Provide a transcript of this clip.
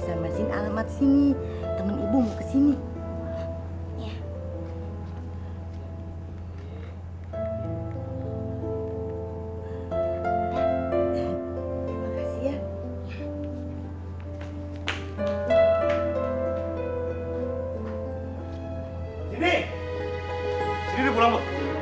sini sini di pulang bu